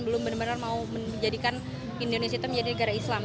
belum benar benar mau menjadikan indonesia itu menjadi negara islam